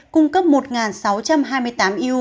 cung cấp một sáu trăm hai mươi tám eu